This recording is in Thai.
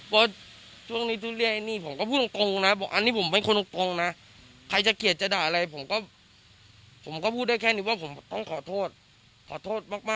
พอช่วงนี้ชุดเรียกแห่งนี้ผมก็พูดตรงนะ